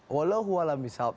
walau huala misal